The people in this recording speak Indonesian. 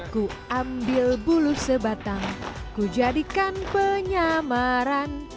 ku ambil bulu sebatang ku jadikan penyamaran